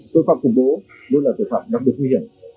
tội phạm khủng bố luôn là tội phạm đặc biệt nguy hiểm